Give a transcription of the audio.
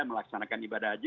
melaksanakan ibadah haji